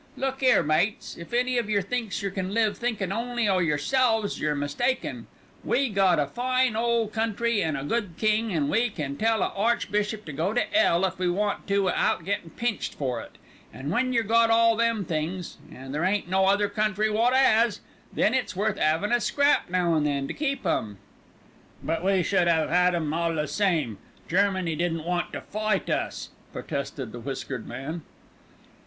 Look 'ere, mates, if any of yer thinks yer can live thinkin' only o' yerselves, yer mistaken. We got a fine ole country and a good king, an' we can tell a archbishop to go to 'ell if we want to wi'out gettin' pinched for it; an' when yer got all them things an' there ain't no other country wot 'as then it's worth 'avin' a scrap now an' then to keep 'em." "But we should 'ave 'ad 'em all the same; Germany didn't want to fight us," protested the whiskered man.